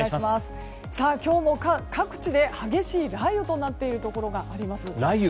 今日も各地で激しい雷雨となっているところがあります。